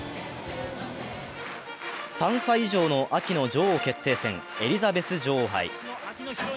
３歳以上の秋の女王決定戦、エリザベス女王杯。